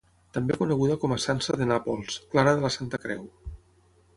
També coneguda com a Sança de Nàpols, Clara de la santa Creu.